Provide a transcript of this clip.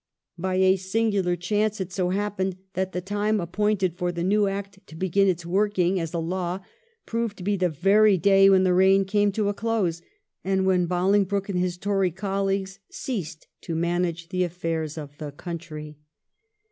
By a singular chance it so happened that the time ap pointed for the new Act to begin its working as a law proved to be the very day when the reign came to a close, and when Bolingbroke and his Tory col leagues ceased to manage the affairs of the country.